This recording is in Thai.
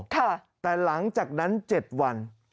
แต่หลังจากนั้น๗วัน